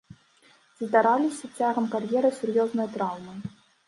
Ці здараліся цягам кар'еры сур'ёзныя траўмы?